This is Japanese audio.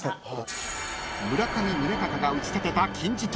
［村上宗隆が打ち立てた金字塔］